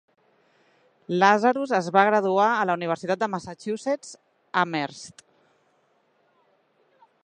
Lazarus es va graduar a la universitat de Massachusetts Amherst.